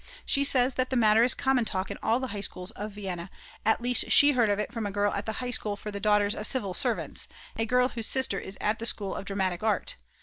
She says that the matter is common talk in all the High Schools of Vienna, at least she heard of it from a girl at the High School for the Daughters of Civil Servants, a girl whose sister is at the School of Dramatic Art.